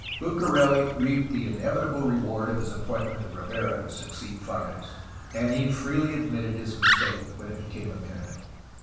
BucareU reaped the inevitable reward of his appointment of Rivera to succeed Fages, and he freely admitted his mis take when it became apparent.